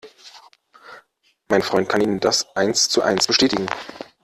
Mein Freund kann Ihnen das eins zu eins bestätigen.